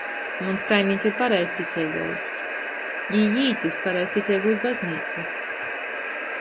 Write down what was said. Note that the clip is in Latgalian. Muns kaimiņs ir pareizticeigais, jī īt iz pareizticeigūs bazneicu.